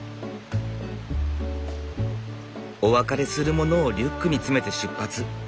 お別れするものをリュックに詰めて出発。